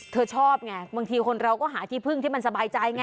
เธอชอบไงบางทีคนเราก็หาที่พึ่งที่มันสบายใจไง